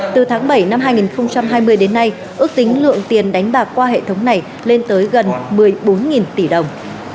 từ tháng bảy năm hai nghìn hai mươi đến nay ước tính lượng tiền đánh bạc qua hệ thống này lên tới gần một mươi bốn tỷ đồng